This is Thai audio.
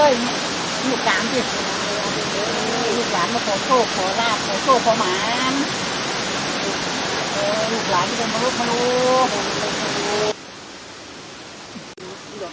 ชุดกระดูกร้อยที่สุดท้าย